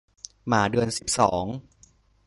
หมาเดือนสิบสอง